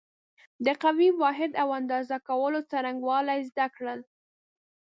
د قوې واحد او اندازه کولو څرنګوالی زده کړل.